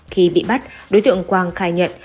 khi bị bắt đối tượng quang khai nhận